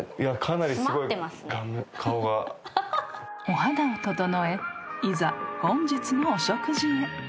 ［お肌を整えいざ本日のお食事へ］